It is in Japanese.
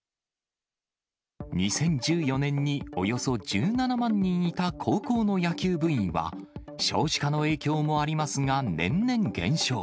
２０１４年におよそ１７万人いた高校の野球部員は、少子化の影響もありますが、年々減少。